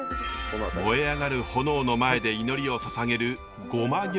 燃え上がる炎の前で祈りをささげる護摩行です。